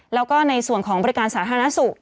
แล้วก็ในส่วนของบริการสาธารณสุข